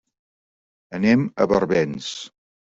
Anem a Barbens.